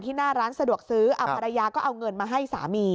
หน้าร้านสะดวกซื้อภรรยาก็เอาเงินมาให้สามี